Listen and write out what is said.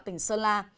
tỉnh sơn la